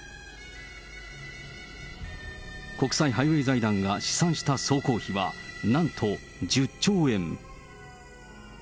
国際ハイウェイ財団が試算した総工費はなんと１０兆円。